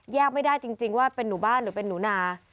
ไม่ได้จริงว่าเป็นหนูบ้านหรือเป็นหนูนา